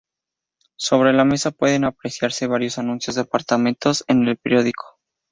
Sobre la mesa pueden apreciarse varios anuncios de apartamentos en el periódico.